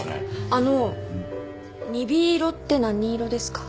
あの鈍色って何色ですか？